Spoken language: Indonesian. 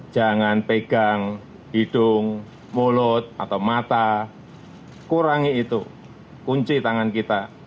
jangan pegang hidung mulut atau mata kurangi itu kunci tangan kita